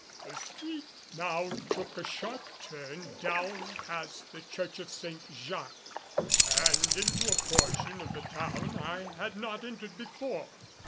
The street now took a sharp turn down past the Church of Saint Jacques and into a portion of the town I had not entered before.